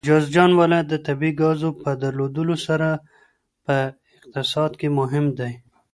جوزجان ولایت د طبیعي ګازو په درلودلو سره په اقتصاد کې مهم دی.